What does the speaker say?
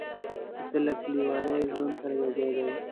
پسه له کلیوالي ژوند سره یو ځای دی.